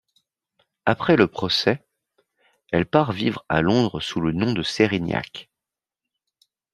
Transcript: Après le procès, elle part vivre à Londres sous le nom de de Serignac.